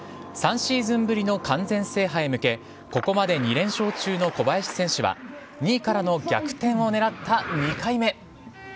３シーズンぶりの完全制覇へ向けここまで２連勝中の小林選手は２位からの逆転を狙った２回目。